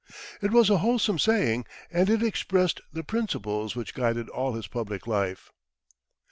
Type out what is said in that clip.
It was a wholesome saying, and it expressed the principles which guided all his public life.